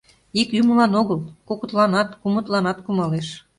Ик юмылан огыл, кокытланат, кумытланат кумалеш.